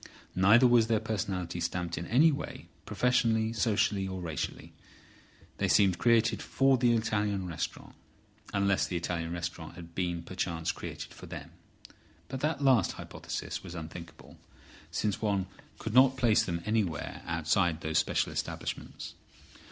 Neither was their personality stamped in any way, professionally, socially or racially. They seemed created for the Italian restaurant, unless the Italian restaurant had been perchance created for them. But that last hypothesis was unthinkable, since one could not place them anywhere outside those special establishments.